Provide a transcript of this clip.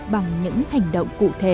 bằng những hành động cụ thể